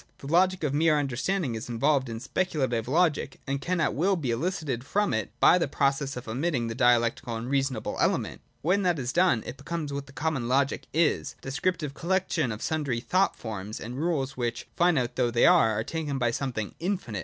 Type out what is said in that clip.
(3) The logic of mere Understanding is involved in Speculative logic, and can at will be elicited from it, by the simple process of omitting the dialectical and ' reasonable ' element. When that is done, it becomes what the common logic is, a descriptive collection of sundry thought forms and rules which, finite though they are, are taken to be some thing infinite.